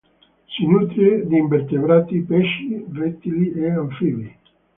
Si nutre di invertebrati, pesci, rettili e anfibi.